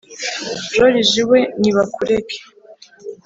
joriji we nibakureke